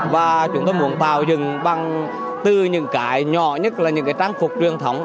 và chúng tôi muốn tạo dựng bằng từ những cái nhỏ nhất là những cái trang phục truyền thống